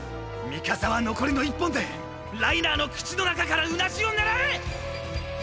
ミカサは残りの１本でライナーの口の中からうなじを狙え！！